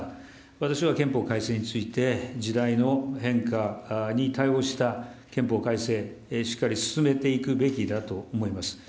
私は憲法改正について、時代の変化に対応した憲法改正、しっかり進めていくべきだと思います。